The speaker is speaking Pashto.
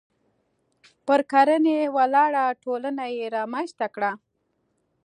پر کرنې ولاړه ټولنه یې رامنځته کړه.